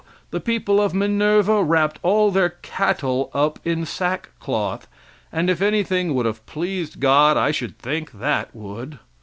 The people of Minerva wrapped all their cattle up in sack cloth, and if anything would have pleased God I should think that would.